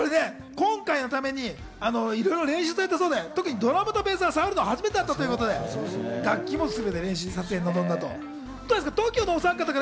今回のために、いろいろ練習されたそうで、特にドラムとベースはされるのが初めてだったそうで、楽器も練習して撮影に臨んだんですって。